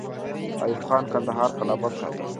ایوب خان کندهار قلابند ساته.